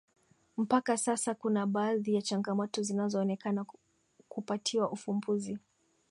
Mpaka sasa kuna baadhi ya changamoto zinaonekana kupatiwa ufumbuzi